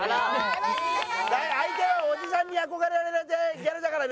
相手はオジさんに憧れられてないギャルだからね！